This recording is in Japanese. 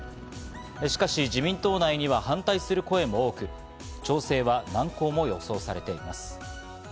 しかし自民党内には反対する声も多く、調整は難航も予想されています。